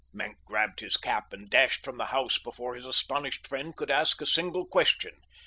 Maenck grabbed his cap and dashed from the house before his astonished friend could ask a single question.